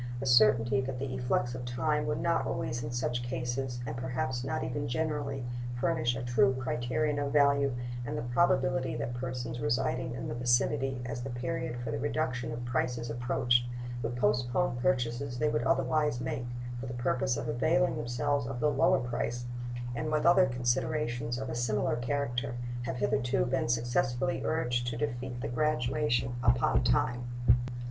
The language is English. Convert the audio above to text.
The certainty that the efflux of time would not always in such cases, and perhaps not even generally, furnish a true criterion of value, and the probability that persons residing in the vicinity, as the period for the reduction of prices approached, would postpone purchases they would otherwise make, for the purpose of availing themselves of the lower price, with other considerations of a similar character, have hitherto been successfully urged to defeat the graduation upon time.